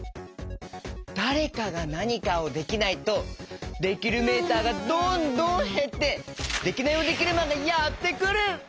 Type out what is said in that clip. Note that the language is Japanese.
だれかがなにかをできないとできるメーターがどんどんへってデキナイヲデキルマンがやってくる！